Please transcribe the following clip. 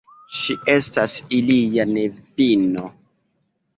Ŝi estas ilia nevino.